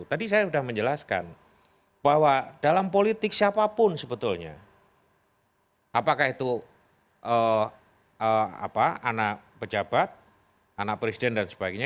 tadi saya sudah menjelaskan bahwa dalam politik siapapun sebetulnya apakah itu anak pejabat anak presiden dan sebagainya